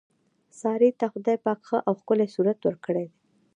سارې ته خدای پاک ښه او ښکلی صورت ورکړی دی.